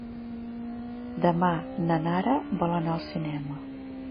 Demà na Nara vol anar al cinema.